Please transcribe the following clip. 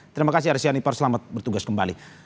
terima kasih arsiani pak selamat bertugas kembali